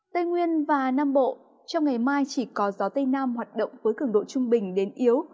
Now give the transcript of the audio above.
tây nguyên và nam bộ trong ngày mai chỉ có gió tây nam hoạt động với cường độ trung bình đến yếu